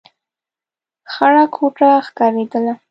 خړه کوټه ښکارېدله.